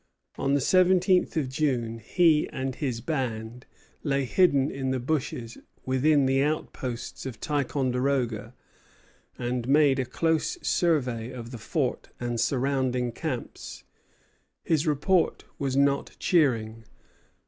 On the seventeenth of June he and his band lay hidden in the bushes within the outposts of Ticonderoga, and made a close survey of the fort and surrounding camps. His report was not cheering.